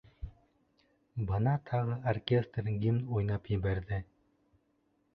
Бына тағы оркестр гимн уйнап ебәрҙе.